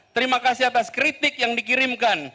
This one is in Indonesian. terima kasih atas kritik yang dikirimkan